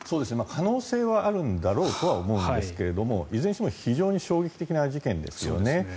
可能性はあるんだろうとは思うんですけどもいずれにしても非常に衝撃的な事件ですよね。